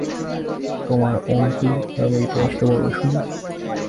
তোমার অন্তু নামের ইতিহাসটা বলো শুনি।